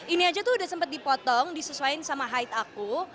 ini aja tuh udah sempat dipotong disesuaikan sama hide aku